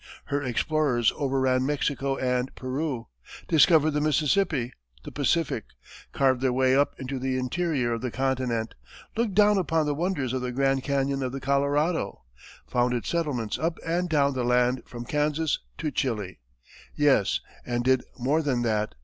Her explorers overran Mexico and Peru, discovered the Mississippi, the Pacific, carved their way up into the interior of the continent, looked down upon the wonders of the Grand Canyon of the Colorado, founded settlements up and down the land from Kansas to Chili yes, and did more than that.